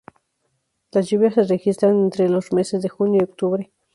Las lluvias re registran entre los meses de junio y octubre.